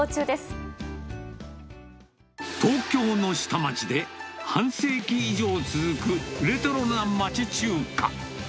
東京の下町で、半世紀以上続くレトロな町中華。